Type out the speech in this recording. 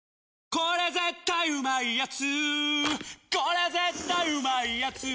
これ絶対うまいやつ」